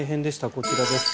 こちらです。